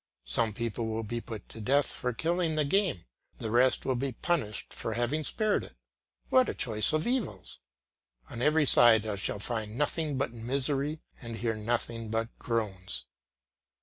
Some people will be put to death for killing the game, the rest will be punished for having spared it; what a choice of evils! On every side I shall find nothing but misery and hear nothing but groans.